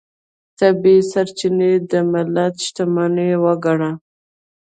طبیعي سرچینې د ملت شتمنۍ وګڼله.